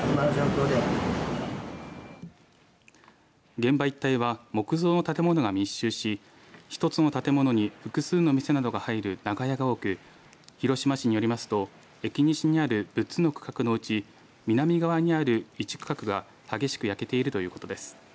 現場一帯は木造の建物が密集し１つの建物に複数の店などが入る長屋が多く広島市によりますとエキニシにある６つの区画のうち南側にある１区画が激しく焼けているということです。